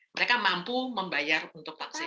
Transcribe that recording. mereka mampu membayar untuk vaksin